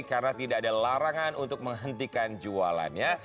karena tidak ada larangan untuk menghentikan jualannya